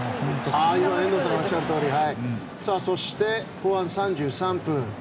そして、後半３３分。